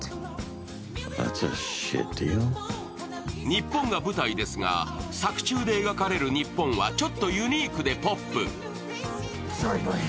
日本が舞台ですが、作中で描かれる日本はちょっとユニークでポップ。